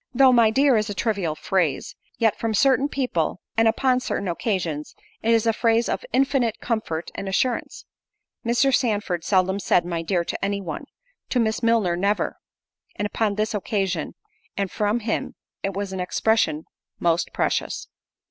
Though "my dear" is a trivial phrase, yet from certain people, and upon certain occasions, it is a phrase of infinite comfort and assurance. Mr. Sandford seldom said "my dear" to any one; to Miss Milner never; and upon this occasion, and from him, it was an expression most precious.